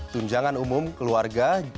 tunjangan umum keluarga